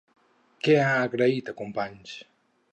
Què ha agraït a Companys?